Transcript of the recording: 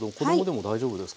はい大丈夫です。